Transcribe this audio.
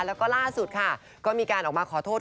แล้วก็ล่าสุดค่ะก็มีการออกมาขอโทษ